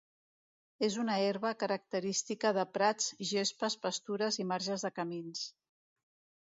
És una herba característica de prats, gespes, pastures i marges de camins.